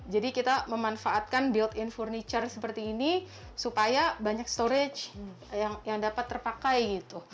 jadi kita memanfaatkan built in furniture seperti ini supaya banyak storage yang dapat terpakai gitu